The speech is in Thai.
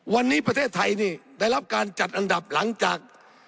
วันนี้ประเทศไทยนี่ได้รับการจัดอันดับหลังจาก